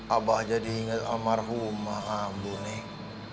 abang jadi inget almarhum ma'amu neng